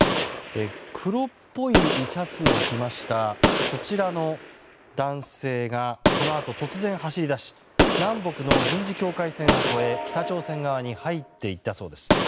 黒っぽいシャツを着ましたこちらの男性がこのあと突然走り出し南北の軍事境界線を越え北朝鮮側に入っていったそうです。